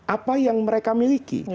apa yang mereka miliki